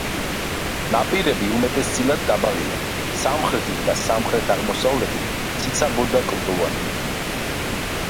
ნაპირები უმეტესწილად დაბალია, სამხრეთით და სამხრეთ-აღმოსავლეთით ციცაბო და კლდოვანი.